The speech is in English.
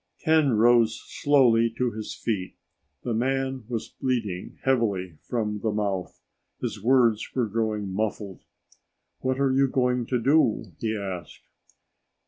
Ken rose slowly to his feet. The man was bleeding heavily from the mouth. His words were growing muffled. "What are you going to do?" he asked.